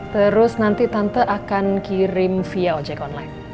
terus nanti tante akan kirim via ojek online